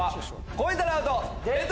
超えたらアウト！